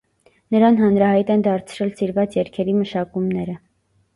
Նրան հանրահայտ են դարձրել սիրված երգերի մշակումները։